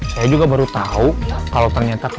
saya juga baru tau kalau ternyata kang bahar